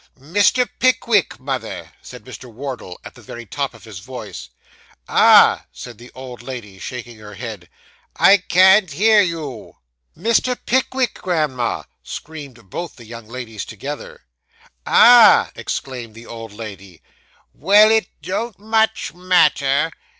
'Mr. Pickwick, mother,' said Mr. Wardle, at the very top of his voice. 'Ah!' said the old lady, shaking her head; 'I can't hear you.' 'Mr. Pickwick, grandma!' screamed both the young ladies together. 'Ah!' exclaimed the old lady. 'Well, it don't much matter.